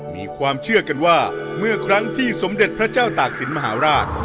มีความเชื่อกันว่าเมื่อครั้งที่สมเด็จพระเจ้าตากศิลปมหาราช